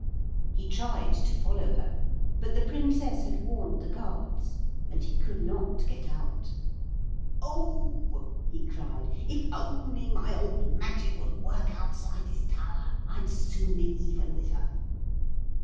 He tried to follow her. But the Princess had warned the guards, and he could not get out. 'Oh,' he cried, 'if only my old magic would work outside this tower. I'd soon be even with her.'